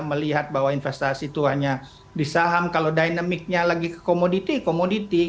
melihat bahwa investasi itu hanya di saham kalau dynamicnya lagi ke commodity commodity